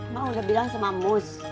emang udah bilang sama mus